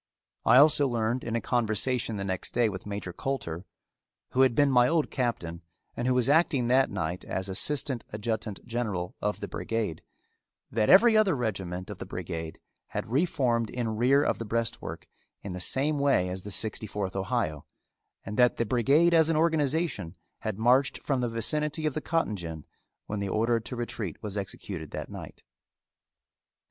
I also learned in a conversation the next day with Major Coulter, who had been my old captain, and who was acting that night as assistant adjutant general of the brigade, that every other regiment of the brigade had reformed in rear of the breastwork in the same way as the Sixty fourth Ohio, and that the brigade as an organization, had marched from the vicinity of the cotton gin when the order to retreat was executed that night.